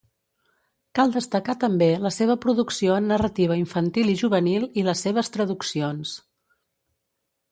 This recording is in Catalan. Cal destacar també la seva producció en narrativa infantil i juvenil i les seves traduccions.